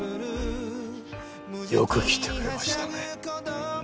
よく来てくれましたね。